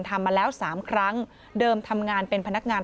ทำมาแล้ว๓ครั้งเดิมทำงานเป็นพนักงาน